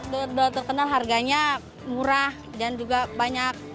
dua dua terkenal harganya murah dan juga banyaknya